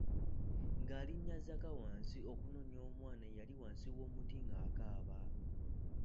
Ngaali nnya zakka wansi okunona omwana eyali wansi w'omuti ng'akaaba.